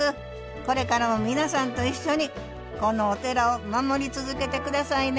これからも皆さんと一緒にこのお寺を守り続けて下さいね。